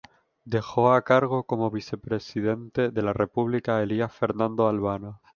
Dejó a cargo, como vicepresidente de la república, a Elías Fernández Albano.